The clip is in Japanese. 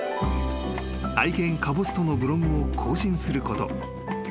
［愛犬かぼすとのブログを更新すること］